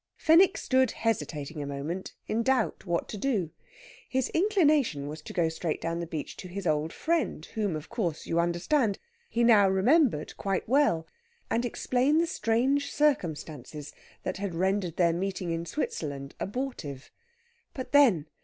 Fenwick stood hesitating a moment in doubt what to do. His inclination was to go straight down the beach to his old friend, whom of course, you understand? he now remembered quite well, and explain the strange circumstances that had rendered their meeting in Switzerland abortive. But then!